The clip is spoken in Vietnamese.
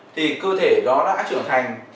thì cơ thể đó đã trưởng thành